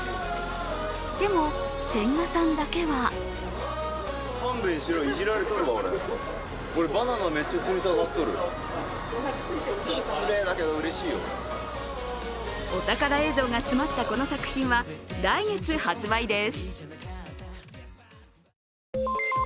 でも千賀さんだけはお宝映像が詰まったこの作品は来月発売です。